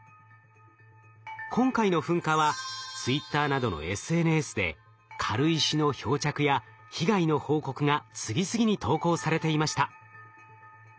今回の噴火はツイッターなどのＳＮＳで軽石の漂着や被害の報告が次々に投稿されていました。